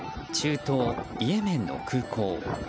中東イエメンの空港。